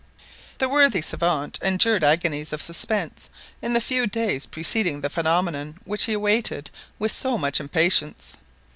The worthy savant endured agonies of suspense in the few days preceding the phenomenon which he awaited with so much impatience.